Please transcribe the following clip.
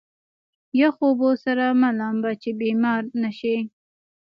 يخو اوبو سره مه لامبه چې بيمار نه شې.